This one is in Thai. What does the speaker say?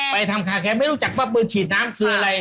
ไปทำคาแคร์ไม่รู้จักว่าปืนฉีดน้ำคืออะไร